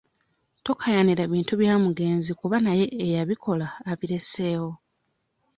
Tokaayanira bintu bya mugenzi kuba naye eyabikola abireseewo.